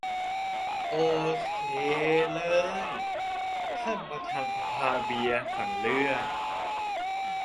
โอเชม ท่านประธานสภาเบียร์สั่งเลื่อน